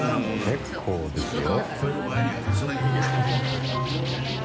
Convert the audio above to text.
結構ですよ。